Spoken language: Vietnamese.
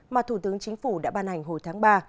mà thủ tướng chính phủ đã ban hành hồi tháng ba